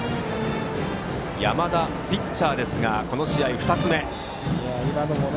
山田、ピッチャーですがこの試合２つ目の盗塁。